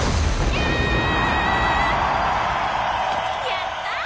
やったあ！